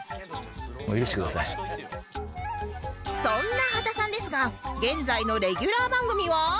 そんな波田さんですが現在のレギュラー番組は？